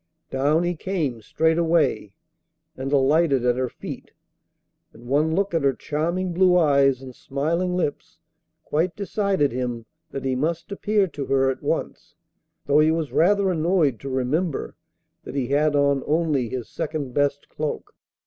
Down he came straightway and alighted at her feet, and one look at her charming blue eyes and smiling lips quite decided him that he must appear to her at once, though he was rather annoyed to remember that he had on only his second best cloak.